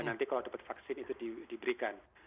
nanti kalau dapat vaksin itu diberikan